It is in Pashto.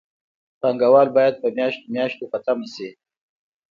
پانګوال باید په میاشتو میاشتو په تمه شي